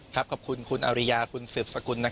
ขอบคุณคุณอริยาคุณสืบสกุล